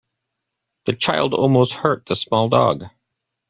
The child almost hurt the small dog.